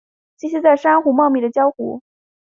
栖息在珊瑚茂密的礁湖。